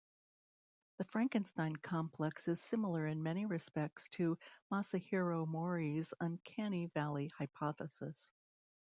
The "Frankenstein Complex" is similar in many respects to Masahiro Mori's uncanny valley hypothesis.